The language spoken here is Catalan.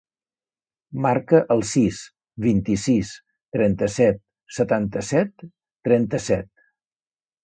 Marca el sis, vint-i-sis, trenta-set, setanta-set, trenta-set.